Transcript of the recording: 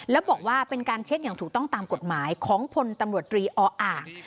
แล้วบอกว่าเป็นการเช็คอย่างถูกต้องตามกฎหมายของพลตำรวจตรีออ่าง